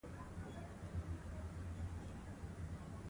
سیاسي عدالت ټولنیز ثبات راولي